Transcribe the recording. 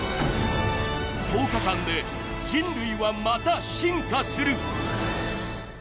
１０日間で人類はまた進化する。